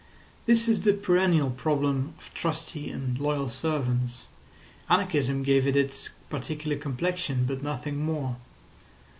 This is the perennial problem of trusty and loyal servants; anarchism gave it its particular complexion, but nothing more.